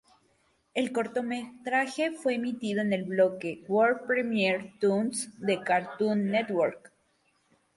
El cortometraje fue emitido en el bloque "World Premiere Toons" de Cartoon Network.